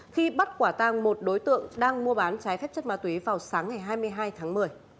khi bắt quả tang một đối tượng đang mua bán trái phép chất ma túy vào sáng ngày hai mươi hai tháng một mươi